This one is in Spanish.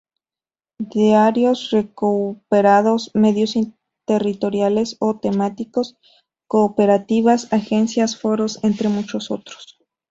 Diarios recuperados, medios territoriales o temáticos, cooperativas, agencias, foros, entre muchos otros.